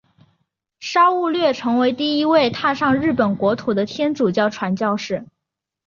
沙勿略成为第一位踏上日本国土的天主教传教士。